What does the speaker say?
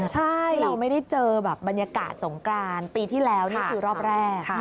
ใช่เราไม่ได้เจอแบบบรรยากาศสงกรานปีที่แล้วนี่คือรอบแรก